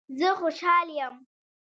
زه خوشحال یم